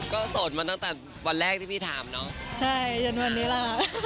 ก็โสดมาตั้งแต่วันแรกที่พี่ถามเนอะ